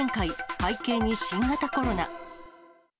背景に新型コロナ。